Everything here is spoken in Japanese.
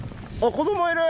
「子供いる！」。